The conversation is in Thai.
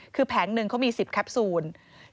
คือแผงหนึ่งเขามี๑๐แคปซูล